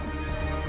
sehingga suatu hari